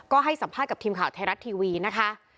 ก็ให้สัมภาษณ์กับทีมข่าวไทยรัฐทีวีนะคะ